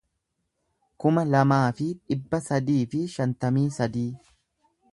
kuma lamaa fi dhibba sadii fi shantamii sadii